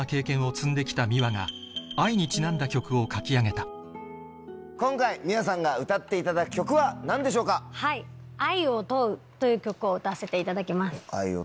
積んで来たｍｉｗａが愛にちなんだ曲を書き上げた今回ｍｉｗａさんが歌っていただく曲は何でしょうか？という曲を歌わせていただきます。